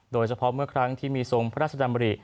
โดยเฉพาะเมื่อครั้งที่มีทรงพระราชดำริ